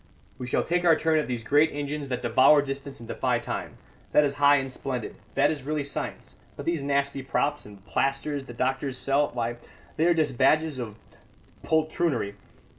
We shall take our turn at these great engines that devour distance and defy time. That is high and splendid that is really science. But these nasty props and plasters the doctors sell why, they are just badges of poltroonery.